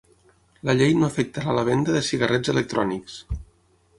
La llei no afectarà la venda de cigarrets electrònics.